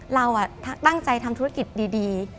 เราตั้งใจทำธุรกิจดี